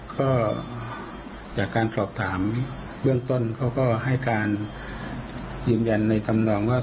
ก็จากการสอบถามเบื้องต้นเขาก็ให้การยืนยันในธรรมนองว่า